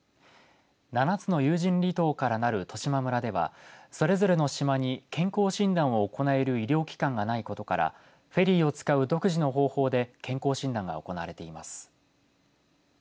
７つの有人離島からなる十島村ではそれぞれの島に健康診断を行える医療機関がないことからフェリーを使う独自の方法で健康診断が行われています。